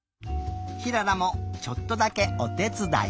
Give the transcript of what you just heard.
ひららもちょっとだけおてつだい。